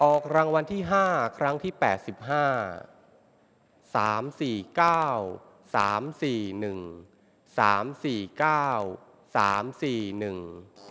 ออกรางวัลที่ห้าครั้งที่แปดสิบห้าสามสี่เก้าสามสี่หนึ่งสามสี่เก้าสามสี่หนึ่ง